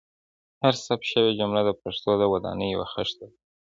هره ثبت شوې جمله د پښتو د ودانۍ یوه خښته ده.